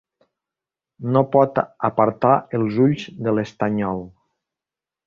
No pot apartar els ulls de l'estanyol.